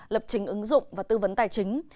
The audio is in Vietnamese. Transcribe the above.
lập trình ứng dụng và tư vấn tài chính